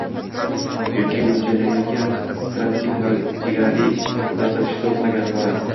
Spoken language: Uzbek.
yoki mo‘ljallanilayotgan transchegaraviy uzatilishi to‘g‘risidagi axborot.